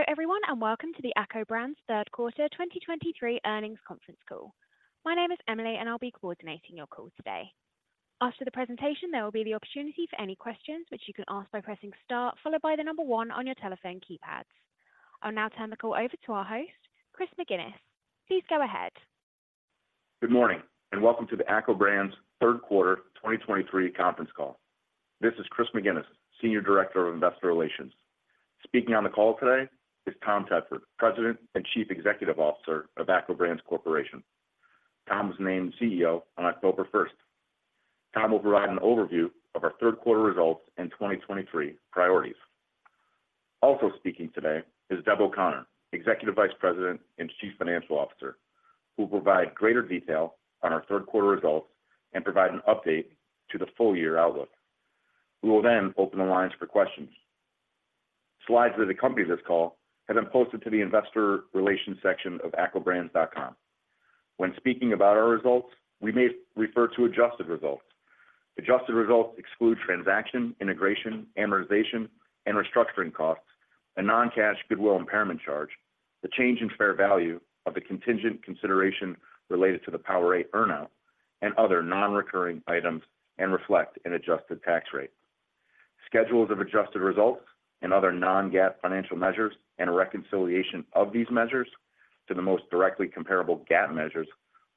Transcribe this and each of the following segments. Hello everyone, and welcome to the ACCO Brands Third Quarter 2023 Earnings Conference Call. My name is Emily, and I'll be coordinating your call today. After the presentation, there will be the opportunity for any questions, which you can ask by pressing star followed by the number one on your telephone keypads. I'll now turn the call over to our host, Chris McGinnis. Please go ahead. Good morning, and welcome to the ACCO Brands Third Quarter 2023 Conference Call. This is Chris McGinnis, Senior Director of Investor Relations. Speaking on the call today is Tom Tedford, President and Chief Executive Officer of ACCO Brands Corporation. Tom was named CEO on October 1st. Tom will provide an overview of our third quarter results and 2023 priorities. Also speaking today is Deb O'Connor, Executive Vice President and Chief Financial Officer, who will provide greater detail on our third quarter results and provide an update to the full year outlook. We will then open the lines for questions. Slides that accompany this call have been posted to the investor relations section of accobrands.com. When speaking about our results, we may refer to adjusted results. Adjusted results exclude transaction, integration, amortization, and restructuring costs, and non-cash goodwill impairment charge, the change in fair value of the contingent consideration related to the PowerA earn-out, and other non-recurring items, and reflect an adjusted tax rate. Schedules of adjusted results and other non-GAAP financial measures and a reconciliation of these measures to the most directly comparable GAAP measures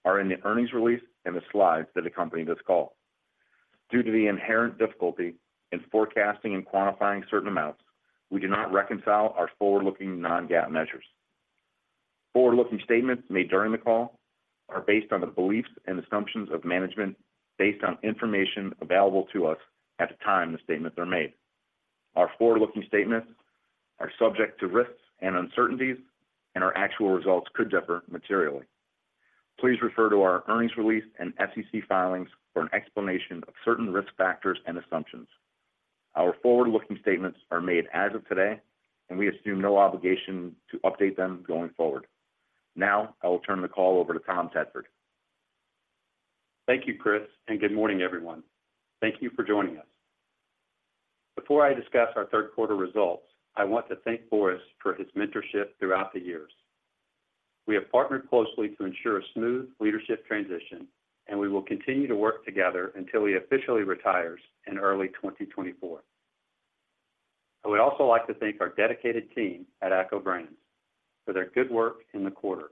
are in the earnings release and the slides that accompany this call. Due to the inherent difficulty in forecasting and quantifying certain amounts, we do not reconcile our forward-looking non-GAAP measures. Forward-looking statements made during the call are based on the beliefs and assumptions of management, based on information available to us at the time the statements are made. Our forward-looking statements are subject to risks and uncertainties, and our actual results could differ materially. Please refer to our earnings release and SEC filings for an explanation of certain risk factors and assumptions. Our forward-looking statements are made as of today, and we assume no obligation to update them going forward. Now, I will turn the call over to Tom Tedford. Thank you, Chris, and good morning, everyone. Thank you for joining us. Before I discuss our third quarter results, I want to thank Boris for his mentorship throughout the years. We have partnered closely to ensure a smooth leadership transition, and we will continue to work together until he officially retires in early 2024. I would also like to thank our dedicated team at ACCO Brands for their good work in the quarter.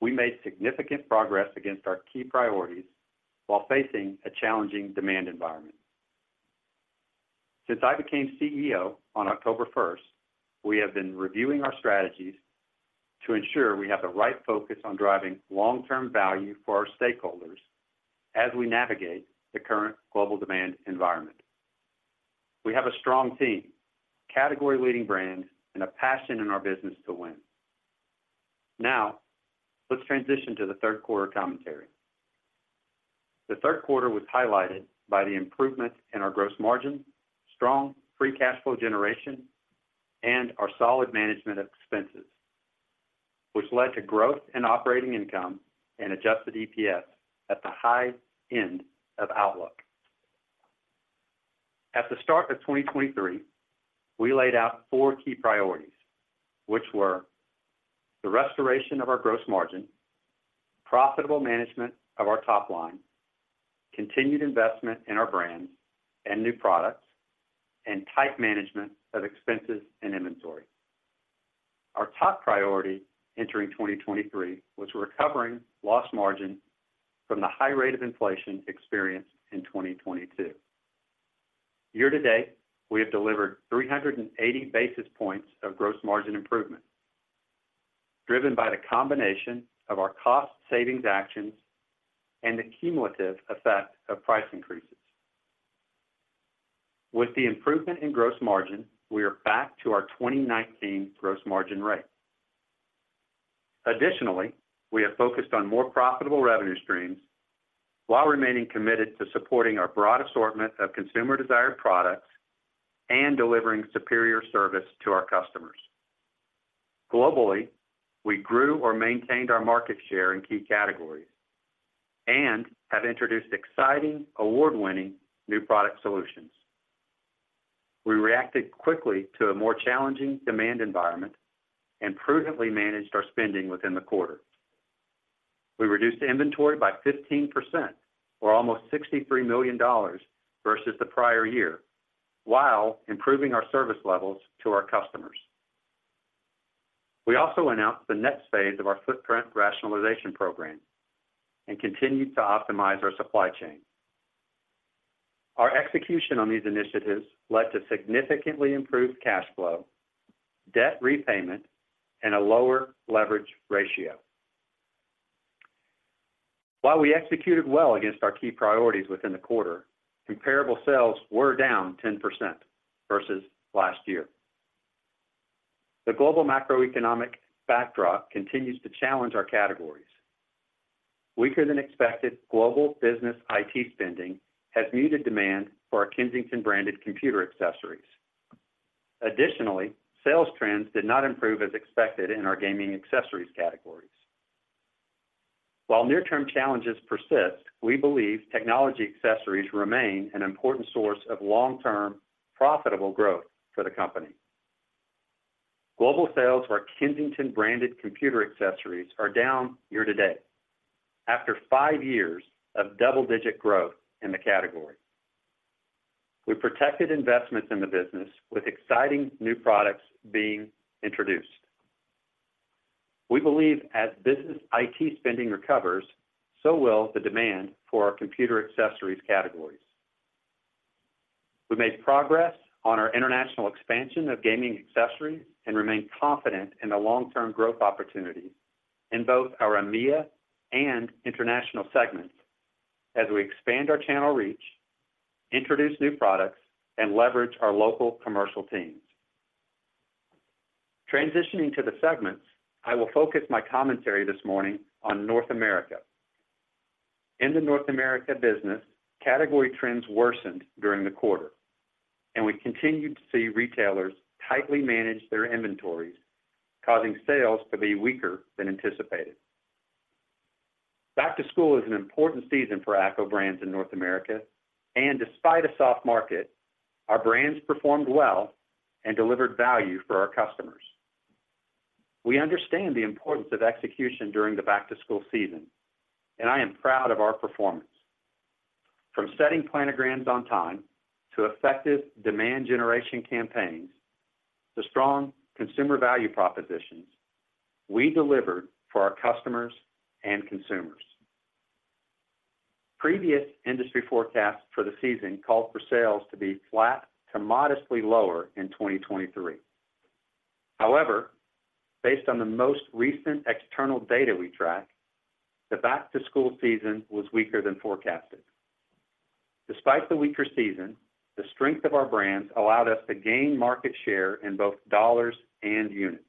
We made significant progress against our key priorities while facing a challenging demand environment. Since I became CEO on October 1st, we have been reviewing our strategies to ensure we have the right focus on driving long-term value for our stakeholders as we navigate the current global demand environment. We have a strong team, category-leading brands, and a passion in our business to win. Now, let's transition to the third quarter commentary. The third quarter was highlighted by the improvement in our gross margin, strong free cash flow generation, and our solid management of expenses, which led to growth in operating income and Adjusted EPS at the high end of outlook. At the start of 2023, we laid out four key priorities, which were: the restoration of our gross margin, profitable management of our top line, continued investment in our brands and new products, and tight management of expenses and inventory. Our top priority entering 2023 was recovering lost margin from the high rate of inflation experienced in 2022. Year-to-date, we have delivered 380 basis points of gross margin improvement, driven by the combination of our cost savings actions and the cumulative effect of price increases. With the improvement in gross margin, we are back to our 2019 gross margin rate. Additionally, we have focused on more profitable revenue streams while remaining committed to supporting our broad assortment of consumer-desired products and delivering superior service to our customers. Globally, we grew or maintained our market share in key categories and have introduced exciting, award-winning new product solutions. We reacted quickly to a more challenging demand environment and prudently managed our spending within the quarter. We reduced inventory by 15%, or almost $63 million versus the prior year, while improving our service levels to our customers. We also announced the next phase of our footprint rationalization program and continued to optimize our supply chain. Our execution on these initiatives led to significantly improved cash flow, debt repayment, and a lower leverage ratio. While we executed well against our key priorities within the quarter, comparable sales were down 10% versus last year. The global macroeconomic backdrop continues to challenge our categories. Weaker than expected global business IT spending has muted demand for our Kensington-branded computer accessories. Additionally, sales trends did not improve as expected in our gaming accessories categories... While near-term challenges persist, we believe technology accessories remain an important source of long-term, profitable growth for the company. Global sales for our Kensington-branded computer accessories are down year-to-date. After five years of double-digit growth in the category, we protected investments in the business, with exciting new products being introduced. We believe as business IT spending recovers, so will the demand for our computer accessories categories. We made progress on our international expansion of gaming accessories and remain confident in the long-term growth opportunities in both our EMEA and international segments as we expand our channel reach, introduce new products, and leverage our local commercial teams. Transitioning to the segments, I will focus my commentary this morning on North America. In the North America business, category trends worsened during the quarter, and we continued to see retailers tightly manage their inventories, causing sales to be weaker than anticipated. Back-to-school is an important season for ACCO Brands in North America, and despite a soft market, our brands performed well and delivered value for our customers. We understand the importance of execution during the back-to-school season, and I am proud of our performance. From setting planograms on time, to effective demand generation campaigns, to strong consumer value propositions, we delivered for our customers and consumers. Previous industry forecasts for the season called for sales to be flat to modestly lower in 2023. However, based on the most recent external data we track, the back-to-school season was weaker than forecasted. Despite the weaker season, the strength of our brands allowed us to gain market share in both dollars and units.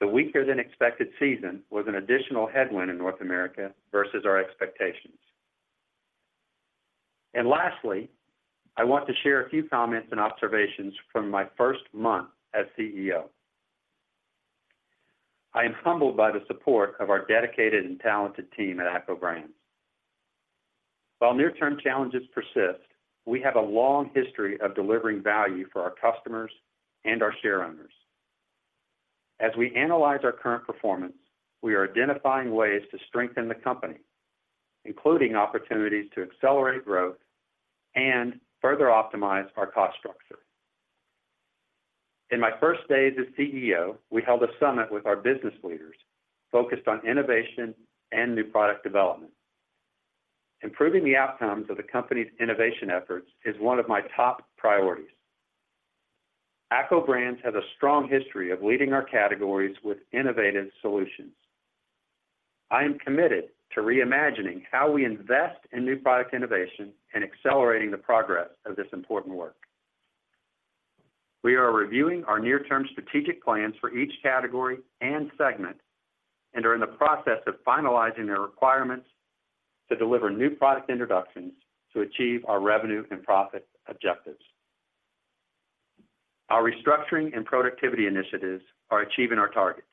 The weaker-than-expected season was an additional headwind in North America versus our expectations. Lastly, I want to share a few comments and observations from my first month as CEO. I am humbled by the support of our dedicated and talented team at ACCO Brands. While near-term challenges persist, we have a long history of delivering value for our customers and our shareowners. As we analyze our current performance, we are identifying ways to strengthen the company, including opportunities to accelerate growth and further optimize our cost structure. In my first day as CEO, we held a summit with our business leaders, focused on innovation and new product development. Improving the outcomes of the company's innovation efforts is one of my top priorities. ACCO Brands has a strong history of leading our categories with innovative solutions. I am committed to reimagining how we invest in new product innovation and accelerating the progress of this important work. We are reviewing our near-term strategic plans for each category and segment, and are in the process of finalizing the requirements to deliver new product introductions to achieve our revenue and profit objectives. Our restructuring and productivity initiatives are achieving our targets.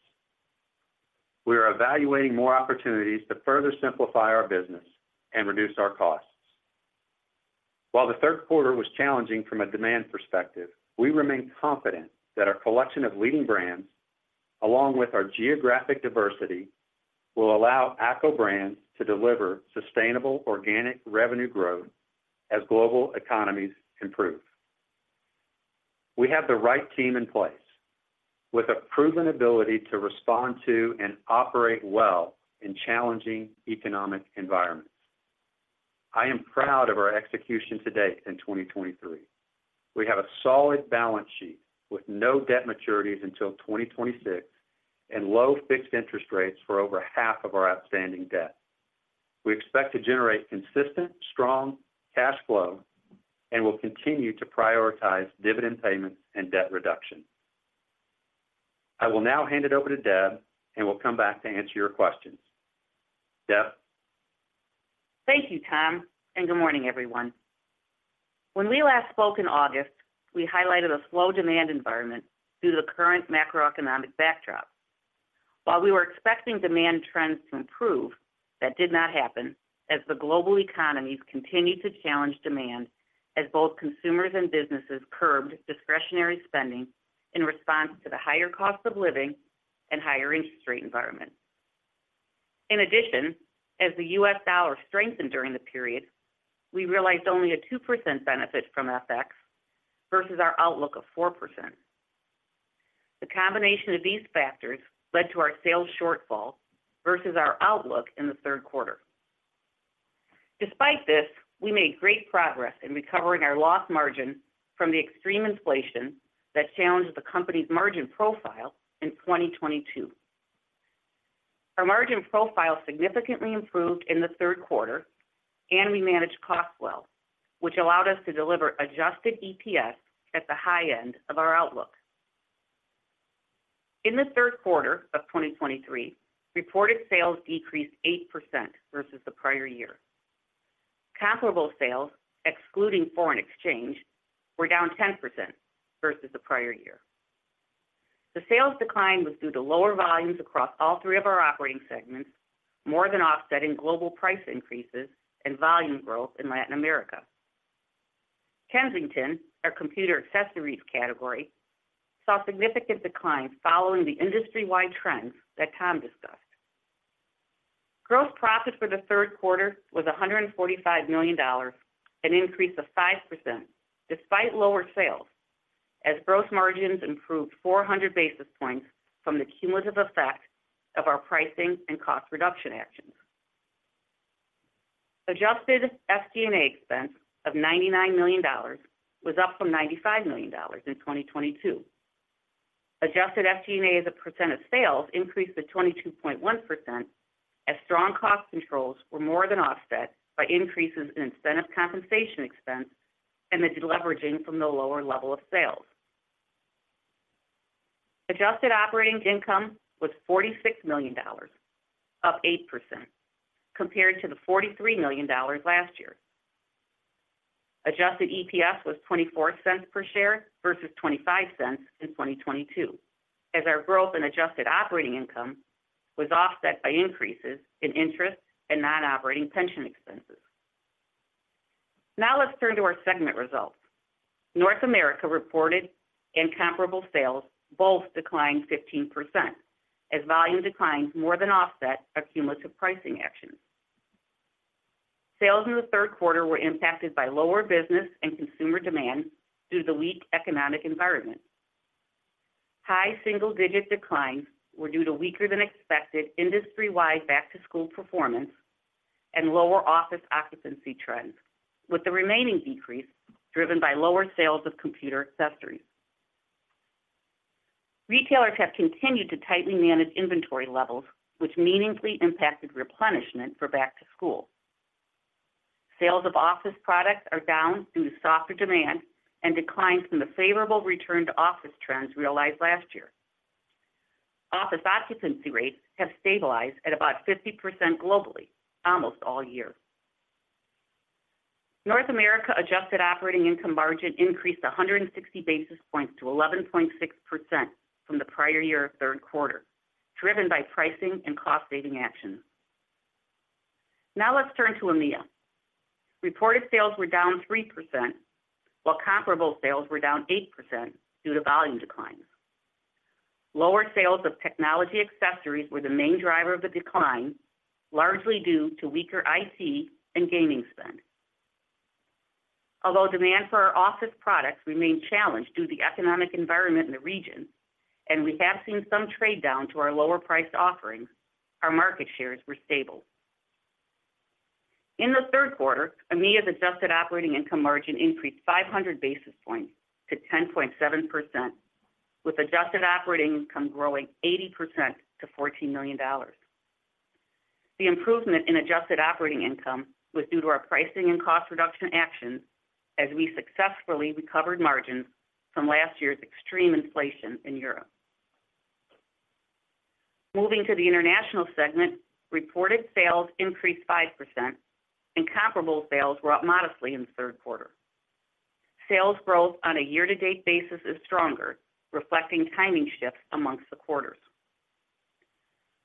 We are evaluating more opportunities to further simplify our business and reduce our costs. While the third quarter was challenging from a demand perspective, we remain confident that our collection of leading brands, along with our geographic diversity, will allow ACCO Brands to deliver sustainable organic revenue growth as global economies improve. We have the right team in place, with a proven ability to respond to and operate well in challenging economic environments. I am proud of our execution to date in 2023. We have a solid balance sheet with no debt maturities until 2026, and low fixed interest rates for over half of our outstanding debt. We expect to generate consistent, strong cash flow and will continue to prioritize dividend payments and debt reduction. I will now hand it over to Deb, and we'll come back to answer your questions. Deb? Thank you, Tom, and good morning, everyone. When we last spoke in August, we highlighted a slow demand environment due to the current macroeconomic backdrop. While we were expecting demand trends to improve, that did not happen, as the global economies continued to challenge demand, as both consumers and businesses curbed discretionary spending in response to the higher cost of living and higher interest rate environment. In addition, as the U.S. dollar strengthened during the period, we realized only a 2% benefit from FX versus our outlook of 4%. The combination of these factors led to our sales shortfall versus our outlook in the third quarter. Despite this, we made great progress in recovering our lost margin from the extreme inflation that challenged the company's margin profile in 2022. Our margin profile significantly improved in the third quarter, and we managed costs well, which allowed us to deliver Adjusted EPS at the high end of our outlook. In the third quarter of 2023, reported sales decreased 8% versus the prior year. Comparable sales, excluding foreign exchange, were down 10% versus the prior year. The sales decline was due to lower volumes across all three of our operating segments, more than offsetting global price increases and volume growth in Latin America. Kensington, our computer accessories category, saw significant declines following the industry-wide trends that Tom discussed. Gross profit for the third quarter was $145 million, an increase of 5% despite lower sales, as gross margins improved 400 basis points from the cumulative effect of our pricing and cost reduction actions. Adjusted SG&A expense of $99 million was up from $95 million in 2022. Adjusted SG&A as a percent of sales increased to 22.1%, as strong cost controls were more than offset by increases in incentive compensation expense and the deleveraging from the lower level of sales. Adjusted operating income was $46 million, up 8% compared to the $43 million last year. Adjusted EPS was $0.24 per share versus $0.25 in 2022, as our growth in adjusted operating income was offset by increases in interest and non-operating pension expenses. Now let's turn to our segment results. North America reported, and comparable sales both declined 15%, as volume declines more than offset our cumulative pricing actions. Sales in the third quarter were impacted by lower business and consumer demand due to the weak economic environment. High single-digit declines were due to weaker than expected industry-wide back-to-school performance and lower office occupancy trends, with the remaining decrease driven by lower sales of computer accessories. Retailers have continued to tightly manage inventory levels, which meaningfully impacted replenishment for back to school. Sales-of-office products are down due to softer demand and declines from the favorable return to office trends realized last year. Office occupancy rates have stabilized at about 50% globally, almost all year. North America adjusted operating income margin increased 160 basis points to 11.6% from the prior year of third quarter, driven by pricing and cost-saving actions. Now let's turn to EMEA. Reported sales were down 3%, while comparable sales were down 8% due to volume declines. Lower sales of technology accessories were the main driver of the decline, largely due to weaker IT and gaming spend. Although demand for our office products remained challenged due to the economic environment in the region, and we have seen some trade down to our lower-priced offerings, our market shares were stable. In the third quarter, EMEA's adjusted operating income margin increased 500 basis points to 10.7%, with adjusted operating income growing 80% to $14 million. The improvement in adjusted operating income was due to our pricing and cost reduction actions as we successfully recovered margins from last year's extreme inflation in Europe. Moving to the international segment, reported sales increased 5%, and comparable sales were up modestly in the third quarter. Sales growth on a year-to-date basis is stronger, reflecting timing shifts amongst the quarters.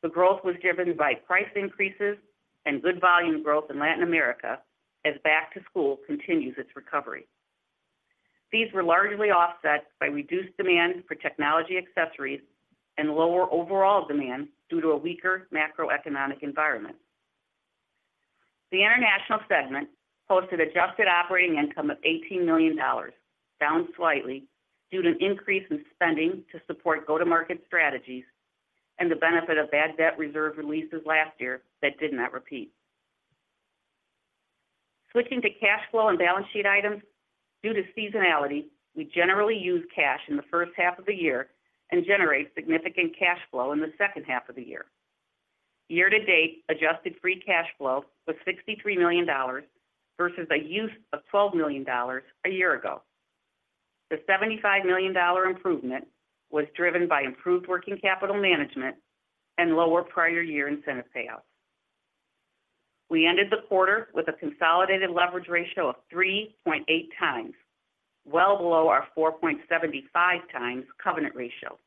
The growth was driven by price increases and good volume growth in Latin America as back to school continues its recovery. These were largely offset by reduced demand for technology accessories and lower overall demand due to a weaker macroeconomic environment. The international segment posted adjusted operating income of $18 million, down slightly due to an increase in spending to support go-to-market strategies and the benefit of bad debt reserve releases last year that did not repeat. Switching to cash flow and balance sheet items, due to seasonality, we generally use cash in the first half of the year and generate significant cash flow in the second half of the year. Year-to-date, adjusted free cash flow was $63 million, versus a use of $12 million a year ago. The $75 million improvement was driven by improved working capital management and lower prior year incentive payouts. We ended the quarter with a consolidated leverage ratio of 3.8x, well below our 4.75x covenant ratio,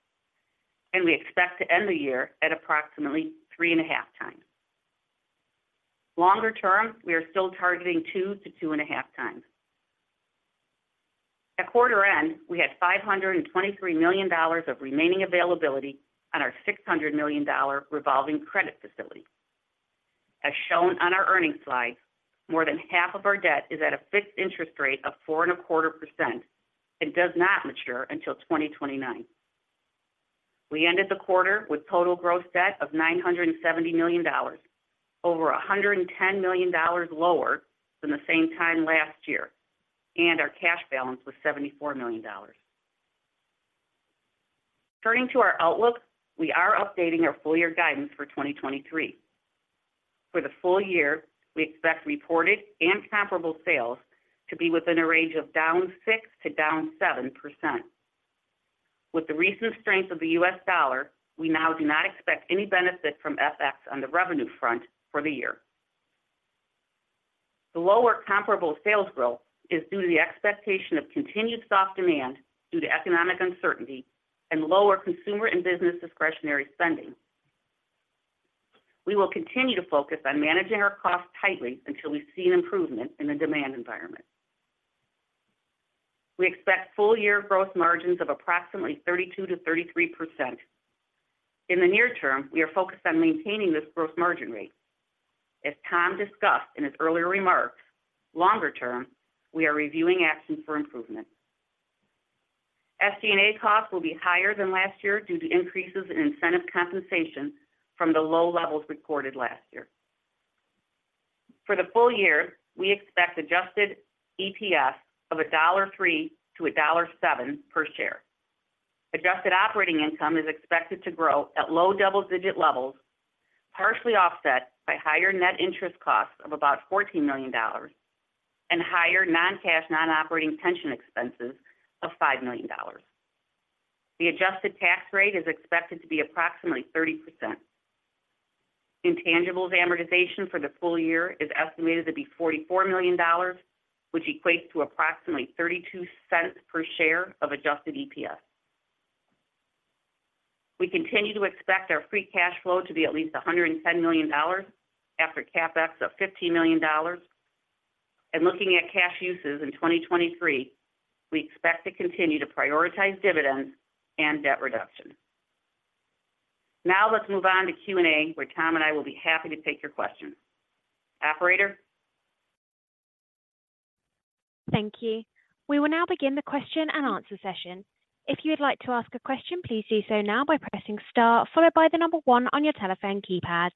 and we expect to end the year at approximately 3.5x. Longer term, we are still targeting 2x-2.5x. At quarter end, we had $523 million of remaining availability on our $600 million revolving credit facility. As shown on our earnings slide, more than half of our debt is at a fixed interest rate of 4.25% and does not mature until 2029. We ended the quarter with total gross debt of $970 million, over $110 million lower than the same time last year, and our cash balance was $74 million. Turning to our outlook, we are updating our full year guidance for 2023. For the full year, we expect reported and comparable sales to be within a range of down 6%-7%.... With the recent strength of the US dollar, we now do not expect any benefit from FX on the revenue front for the year. The lower comparable sales growth is due to the expectation of continued soft demand due to economic uncertainty and lower consumer and business discretionary spending. We will continue to focus on managing our costs tightly until we see an improvement in the demand environment. We expect full year gross margins of approximately 32%-33%. In the near term, we are focused on maintaining this gross margin rate. As Tom discussed in his earlier remarks, longer term, we are reviewing actions for improvement. SG&A costs will be higher than last year due to increases in incentive compensation from the low levels recorded last year. For the full year, we expect Adjusted EPS of $1.03-$1.07 per share. Adjusted operating income is expected to grow at low double-digit levels, partially offset by higher net interest costs of about $14 million and higher non-cash, non-operating pension expenses of $5 million. The adjusted tax rate is expected to be approximately 30%. Intangibles amortization for the full year is estimated to be $44 million, which equates to approximately $0.32 per share of Adjusted EPS. We continue to expect our free cash flow to be at least $110 million after CapEx of $15 million. Looking at cash uses in 2023, we expect to continue to prioritize dividends and debt reduction. Now let's move on to Q&A, where Tom and I will be happy to take your questions. Operator? Thank you. We will now begin the question-and-answer session. If you would like to ask a question, please do so now by pressing star followed by the number one on your telephone keypad.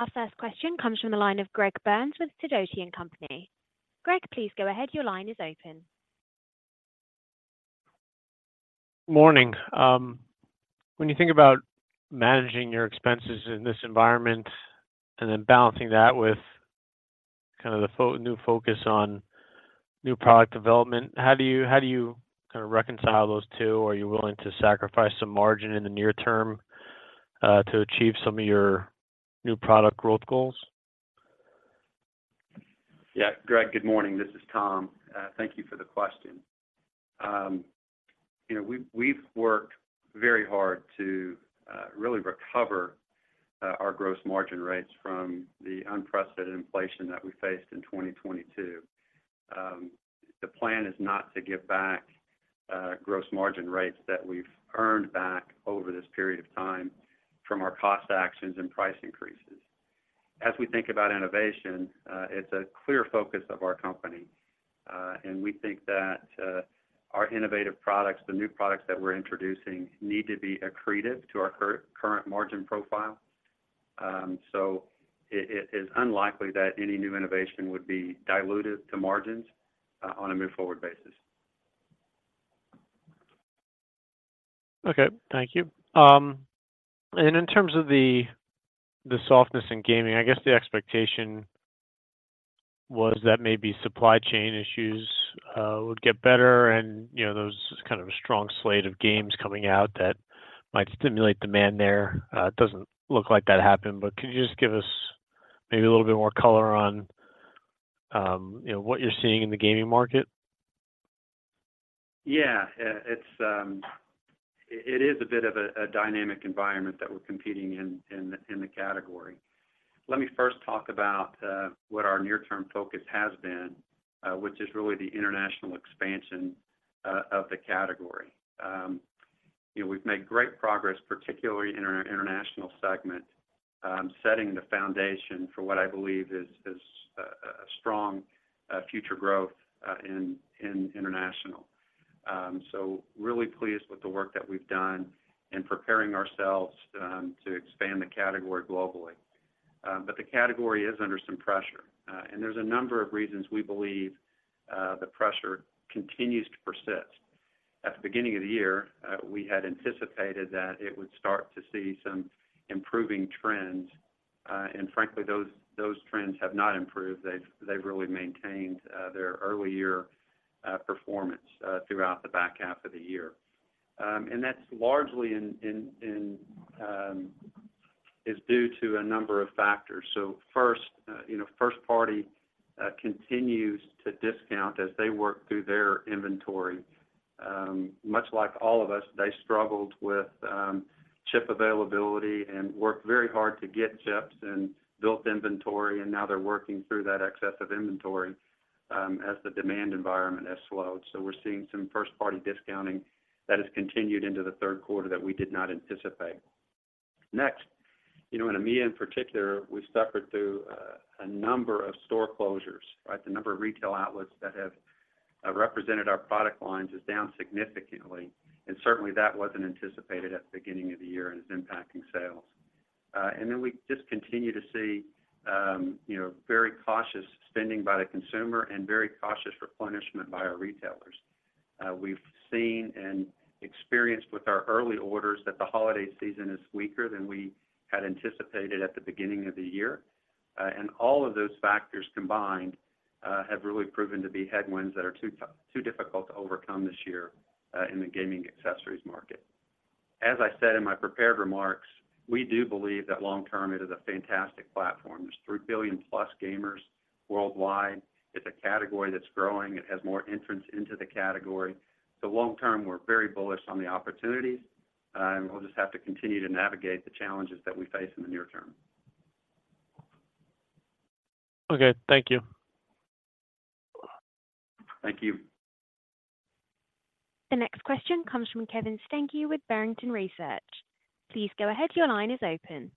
Our first question comes from the line of Greg Burns with Sidoti & Company. Greg, please go ahead. Your line is open. Morning. When you think about managing your expenses in this environment and then balancing that with kind of the new focus on new product development, how do you, how do you kind of reconcile those two? Are you willing to sacrifice some margin in the near term, to achieve some of your new product growth goals? Yeah, Greg, good morning. This is Tom. Thank you for the question. You know, we've worked very hard to really recover our gross margin rates from the unprecedented inflation that we faced in 2022. The plan is not to give back gross margin rates that we've earned back over this period of time from our cost actions and price increases. As we think about innovation, it's a clear focus of our company. And we think that our innovative products, the new products that we're introducing, need to be accretive to our current margin profile. So it is unlikely that any new innovation would be dilutive to margins on a move forward basis. Okay, thank you. And in terms of the softness in gaming, I guess the expectation was that maybe supply chain issues would get better and, you know, those kind of a strong slate of games coming out that might stimulate demand there. It doesn't look like that happened, but could you just give us maybe a little bit more color on, you know, what you're seeing in the gaming market? Yeah, it's a bit of a dynamic environment that we're competing in, in the category. Let me first talk about what our near-term focus has been, which is really the international expansion of the category. You know, we've made great progress, particularly in our international segment, setting the foundation for what I believe is a strong future growth in international. So really pleased with the work that we've done in preparing ourselves to expand the category globally. But the category is under some pressure, and there's a number of reasons we believe the pressure continues to persist. At the beginning of the year, we had anticipated that it would start to see some improving trends, and frankly, those trends have not improved. They've really maintained their early year performance throughout the back half of the year. And that's largely due to a number of factors. So first, you know, first-party continues to discount as they work through their inventory. Much like all of us, they struggled with chip availability and worked very hard to get chips and built inventory, and now they're working through that excess of inventory as the demand environment has slowed. So we're seeing some first-party discounting that has continued into the third quarter that we did not anticipate. Next, you know, in EMEA in particular, we suffered through a number of store closures, right? The number of retail outlets that have represented our product lines is down significantly, and certainly that wasn't anticipated at the beginning of the year and is impacting sales. And then we just continue to see you know, very cautious spending by the consumer and very cautious replenishment by our retailers. We've seen and experienced with our early orders that the holiday season is weaker than we had anticipated at the beginning of the year. And all of those factors combined have really proven to be headwinds that are too difficult to overcome this year in the gaming accessories market. As I said in my prepared remarks, we do believe that long term it is a fantastic platform. There's 3 billion+ gamers worldwide. It's a category that's growing. It has more entrants into the category. So long term, we're very bullish on the opportunities, and we'll just have to continue to navigate the challenges that we face in the near term. Okay, thank you. Thank you. The next question comes from Kevin Steinke with Barrington Research. Please go ahead. Your line is open.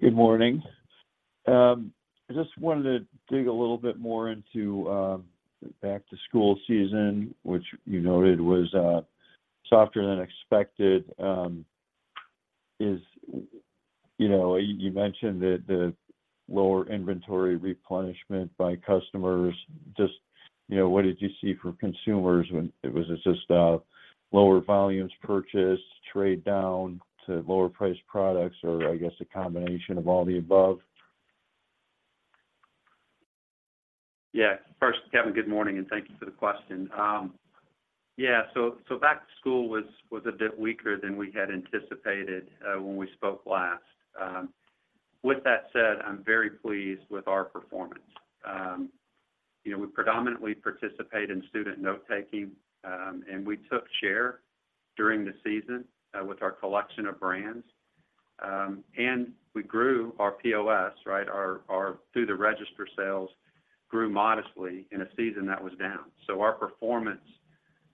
Good morning. I just wanted to dig a little bit more into back-to-school season, which you noted was softer than expected. You know, you mentioned that the lower inventory replenishment by customers, just, you know, what did you see from consumers when it was just lower volumes purchased, trade down to lower priced products, or I guess a combination of all the above? Yeah. First, Kevin, good morning, and thank you for the question. Yeah, so back to school was a bit weaker than we had anticipated when we spoke last. With that said, I'm very pleased with our performance. You know, we predominantly participate in student note-taking, and we took share during the season with our collection of brands. And we grew our POS, right? Our through the register sales grew modestly in a season that was down. So our performance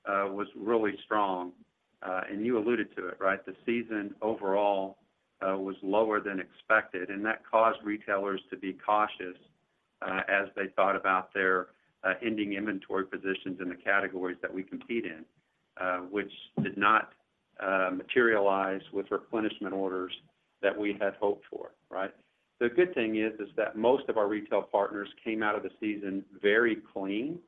was really strong. And you alluded to it, right? The season overall was lower than expected, and that caused retailers to be cautious as they thought about their ending inventory positions in the categories that we compete in, which did not materialize with replenishment orders that we had hoped for, right? The good thing is, is that most of our retail partners came out of the season very clean,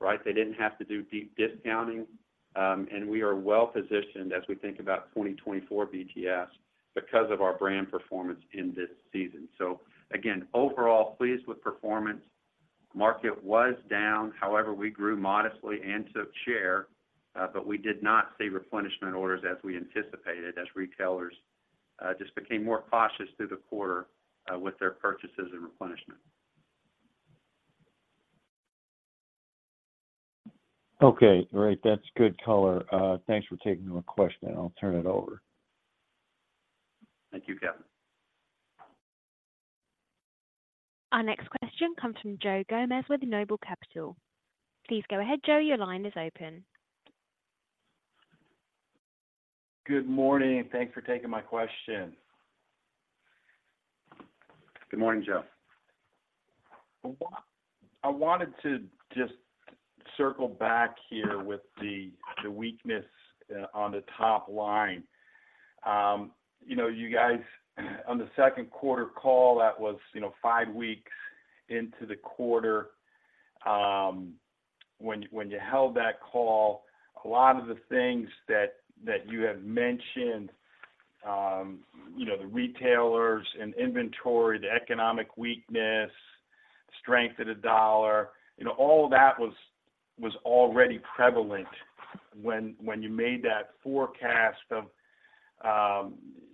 right? They didn't have to do deep discounting. And we are well positioned as we think about 2024 BTS because of our brand performance in this season. So again, overall pleased with performance. Market was down, however, we grew modestly and took share, but we did not see replenishment orders as we anticipated, as retailers just became more cautious through the quarter with their purchases and replenishment. Okay. Great. That's good color. Thanks for taking my question. I'll turn it over. Thank you, Kevin. Our next question comes from Joe Gomes with Noble Capital. Please go ahead, Joe, your line is open. Good morning, and thanks for taking my question. Good morning, Joe. I wanted to just circle back here with the, the weakness on the top line. You know, you guys on the second quarter call, that was, you know, five weeks into the quarter, when you held that call, a lot of the things that you have mentioned, you know, the retailers and inventory, the economic weakness, strength of the dollar, you know, all of that was already prevalent when you made that forecast of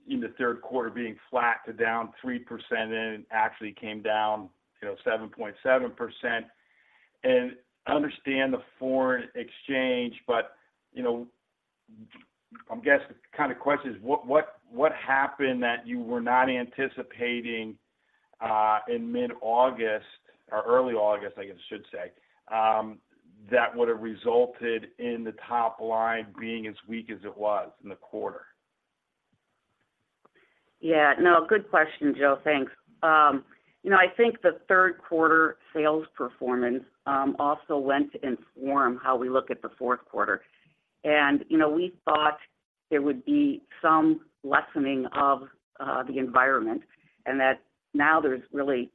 in the third quarter being flat to down 3% and it actually came down, you know, 7.7%. I understand the foreign exchange, but, you know, I'm guessing kind of question is, what happened that you were not anticipating in mid-August or early August, I guess, I should say, that would have resulted in the top line being as weak as it was in the quarter? Yeah. No, good question, Joe. Thanks. You know, I think the third quarter sales performance also went to inform how we look at the fourth quarter. You know, we thought there would be some lessening of the environment, and that now there's really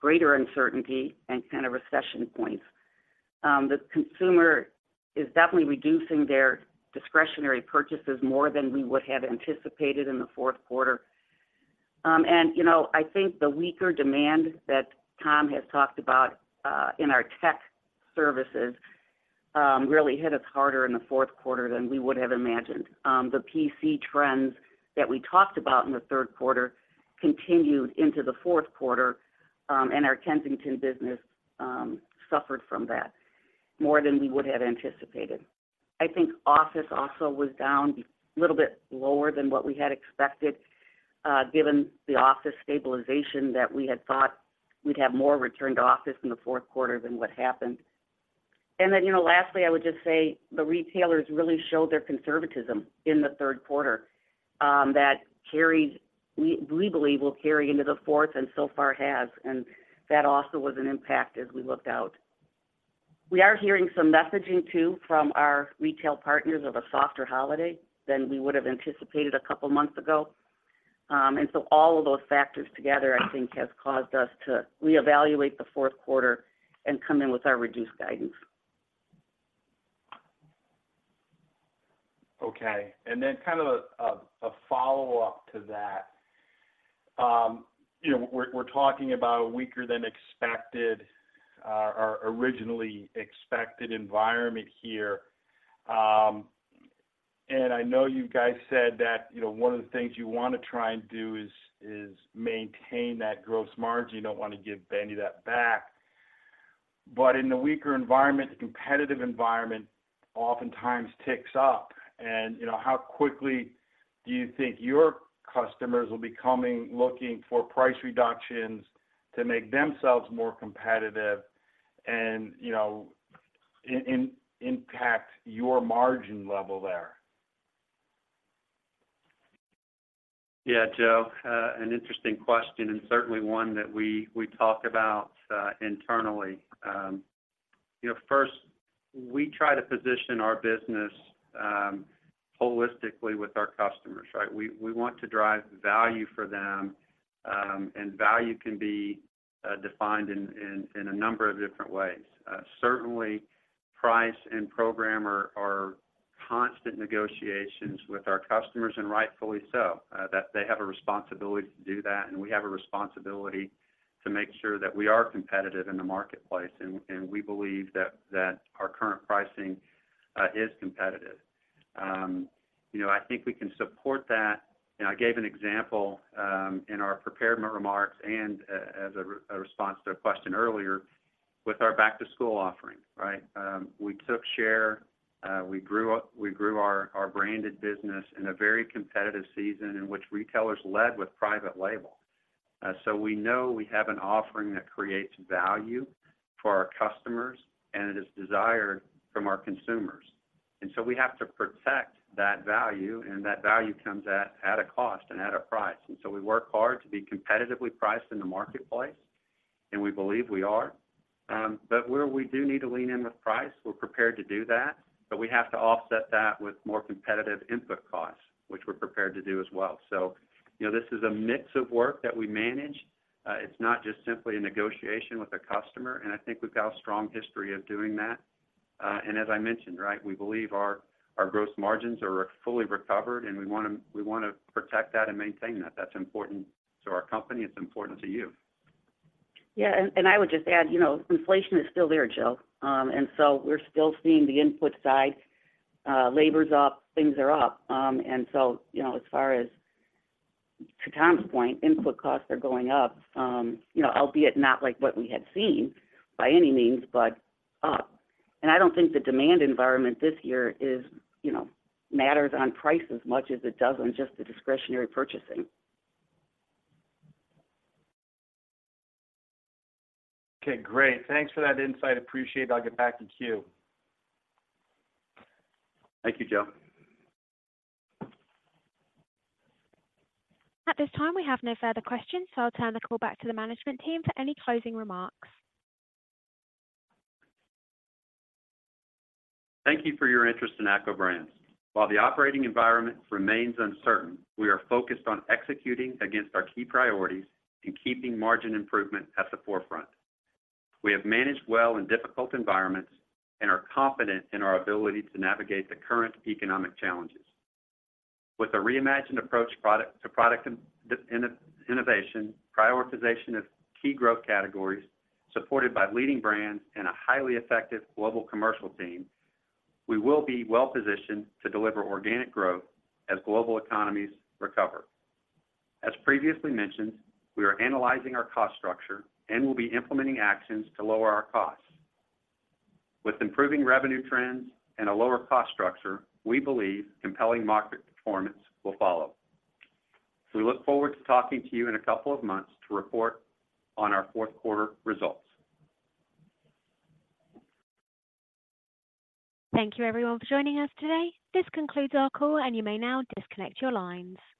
greater uncertainty and kind of recession points. The consumer is definitely reducing their discretionary purchases more than we would have anticipated in the fourth quarter. You know, I think the weaker demand that Tom has talked about in our tech services really hit us harder in the fourth quarter than we would have imagined. The PC trends that we talked about in the third quarter continued into the fourth quarter, and our Kensington business suffered from that more than we would have anticipated. I think office also was down a little bit lower than what we had expected, given the office stabilization that we had thought we'd have more return to office in the fourth quarter than what happened. And then, you know, lastly, I would just say the retailers really showed their conservatism in the third quarter, that carried, we believe, will carry into the fourth and so far has, and that also was an impact as we looked out. We are hearing some messaging too, from our retail partners of a softer holiday than we would have anticipated a couple of months ago. And so all of those factors together, I think, has caused us to reevaluate the fourth quarter and come in with our reduced guidance. Okay. And then kind of a follow-up to that. You know, we're talking about weaker than expected or originally expected environment here. And I know you guys said that, you know, one of the things you wanna try and do is maintain that gross margin. You don't wanna give any of that back. But in a weaker environment, the competitive environment oftentimes ticks up and, you know, how quickly do you think your customers will be coming, looking for price reductions to make themselves more competitive and, you know, and impact your margin level there? Yeah, Joe, an interesting question, and certainly one that we, we talk about internally. You know, first, we try to position our business holistically with our customers, right? We, we want to drive value for them, and value can be defined in, in, in a number of different ways. Certainly, price and program are, are constant negotiations with our customers, and rightfully so. That they have a responsibility to do that, and we have a responsibility to make sure that we are competitive in the marketplace, and, and we believe that, that our current pricing is competitive. You know, I think we can support that, and I gave an example in our prepared remarks and as a response to a question earlier with our back-to-school offering, right? We took share, we grew our branded business in a very competitive season in which retailers led with private label. So we know we have an offering that creates value for our customers, and it is desired from our consumers. And so we have to protect that value, and that value comes at a cost and at a price. And so we work hard to be competitively priced in the marketplace, and we believe we are. But where we do need to lean in with price, we're prepared to do that, but we have to offset that with more competitive input costs, which we're prepared to do as well. So, you know, this is a mix of work that we manage. It's not just simply a negotiation with a customer, and I think we've got a strong history of doing that. And as I mentioned, right, we believe our, our gross margins are fully recovered, and we wanna, we wanna protect that and maintain that. That's important to our company, it's important to you. Yeah, and I would just add, you know, inflation is still there, Joe. And so we're still seeing the input side. Labor's up, things are up. And so, you know, as far as, to Tom's point, input costs are going up. You know, albeit not like what we had seen by any means, but up. And I don't think the demand environment this year is, you know, matters on price as much as it does on just the discretionary purchasing. Okay, great. Thanks for that insight. Appreciate it. I'll get back to queue. Thank you, Joe. At this time, we have no further questions, so I'll turn the call back to the management team for any closing remarks. Thank you for your interest in ACCO Brands. While the operating environment remains uncertain, we are focused on executing against our key priorities and keeping margin improvement at the forefront. We have managed well in difficult environments and are confident in our ability to navigate the current economic challenges. With a reimagined approach to product innovation, prioritization of key growth categories, supported by leading brands and a highly effective global commercial team, we will be well positioned to deliver organic growth as global economies recover. As previously mentioned, we are analyzing our cost structure and will be implementing actions to lower our costs. With improving revenue trends and a lower cost structure, we believe compelling market performance will follow. We look forward to talking to you in a couple of months to report on our fourth quarter results. Thank you, everyone, for joining us today. This concludes our call, and you may now disconnect your lines.